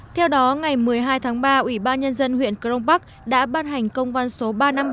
theo đó ngày một mươi hai tháng ba ủy ban nhân dân huyện crong park đã ban hành công văn số ba trăm năm mươi ba